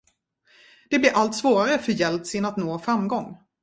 Det blir allt svårare för Jeltsin att nå framgång.